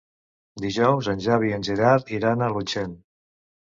Dijous en Xavi i en Gerard iran a Llutxent.